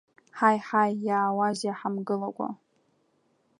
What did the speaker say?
Ҳаи, ҳаи, иаауазеи ҳамгылакәа.